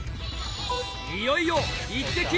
いよいよイッテＱ！